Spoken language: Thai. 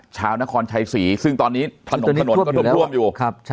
ชาวนครชัยศรีซึ่งตอนนี้ถนนก็ถูกท่วมอยู่